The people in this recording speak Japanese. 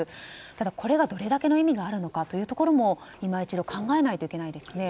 ただ、これがどれだけの意味があるのかというところも今一度考えないといけないですね。